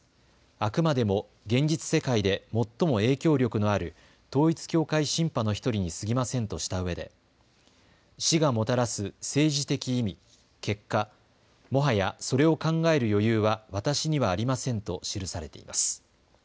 あくまでも現実世界で最も影響力のある統一教会シンパの１人にすぎませんとしたうえで死がもたらす政治的意味、結果、もはやそれを考える余裕は私にはありませんと記されています。